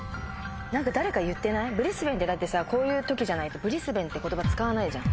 ブリスベンってだってさこういう時じゃないとブリスベンって言葉使わないじゃん。